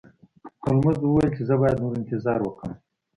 هولمز وویل چې زه باید نور انتظار وکړم.